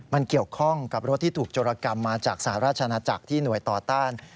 มันเกี่ยวข้องกับรถที่ถูกโจรกรรมมาจากสหราชนาจักรที่หน่วยต่อต้าน